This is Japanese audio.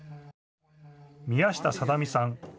宮下貞美さん。